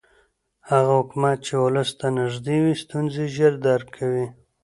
هغه حکومت چې ولس ته نږدې وي ستونزې ژر درک کوي